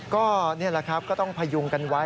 ก็นี่แหละครับก็ต้องพยุงกันไว้